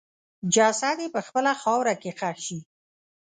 جسد یې په خپله خاوره کې ښخ شي.